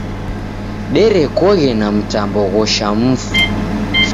Derekoghe na mtambo ghosha mfu.